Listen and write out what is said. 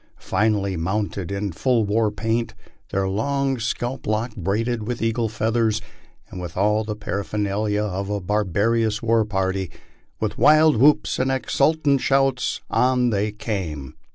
Finely mounted, in full war paint, their long scalp locks braided with eagles' feathers, and with all the paraphernalia of a barbar ous war party with wild whoops and exultant shouts, on they came.